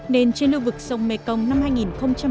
nên trên lưu vực sông mekong năm hai nghìn một mươi chín